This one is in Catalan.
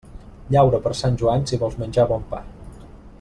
Llaura per Sant Joan, si vols menjar bon pa.